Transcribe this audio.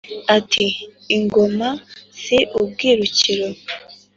ati: ingoma si ubwirukiro.